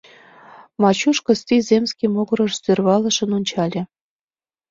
Мачуш Кысти земский могырыш сӧрвалышын ончале.